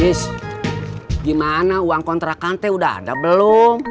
is gimana uang kontrakannya udah ada belum